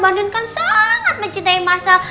mbak andin kan sangat mencintai mas al